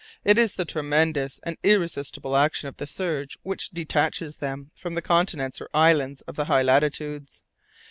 It is the tremendous and irresistible action of the surge which detaches them from the continents or islands of the high latitudes.